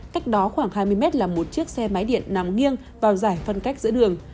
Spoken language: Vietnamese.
cách đó khoảng hai mươi mét là một chiếc xe máy điện nằm nghiêng vào giải phân cách giữa đường